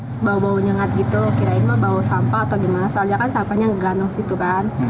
sebau bau nyengat gitu kirain mau bawa sampah atau gimana soalnya kan sampahnya enggak noh situ kan